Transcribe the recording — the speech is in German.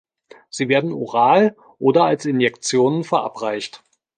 Sie werden oral oder als Injektionen verabreicht.